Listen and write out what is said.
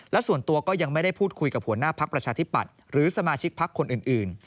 และส่วนตัวก็ยังไม่ได้พูดคุยกับหัวหน้าพักประชาธิปัตย์หรือสมาชิกพักคนอื่น